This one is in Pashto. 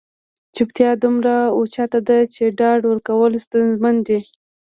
چوپتیا دومره اوچته ده چې ډاډ ورکول ستونزمن دي.